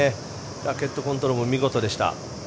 ラケットコントロールも見事でした。